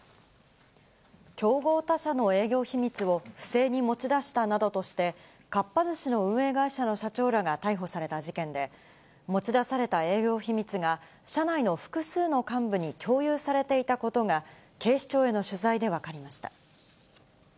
競合他社の営業秘密を不正に持ち出したなどとして、かっぱ寿司の運営会社の社長らが逮捕された事件で、持ち出された営業秘密が、社内の複数の幹部に共有されていたことが、警視庁への取材で分かりました。